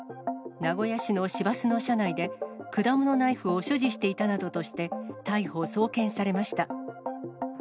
名古屋市の市バスの車内で、果物ナイフを所持していたなどとして、逮捕・送検されました。